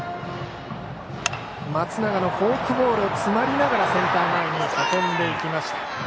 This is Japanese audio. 松永のフォークボール詰まりながらセンター前に運んでいきました。